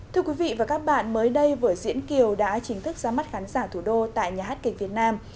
thưa quý vị và các bạn mới đây vở diễn kiều đã chính thức ra mắt khán giả thủ đô tại nhà hát kịch việt nam